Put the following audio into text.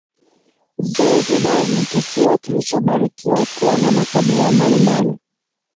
Zanzibar ni kisiwa kilichobarikiwa kuwa na makabila mbalimbali